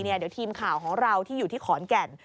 เดี๋ยวทีมข่าวของเราที่อยู่ที่ขอนแก่น